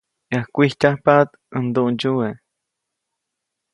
Yajkwijtyajpaʼt ʼäj nduʼndsyuwe.